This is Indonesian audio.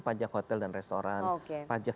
pajak hotel dan restoran pajak